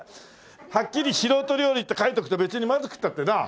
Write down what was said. はっきり「素人料理」って書いとくと別にまずくたってなあ？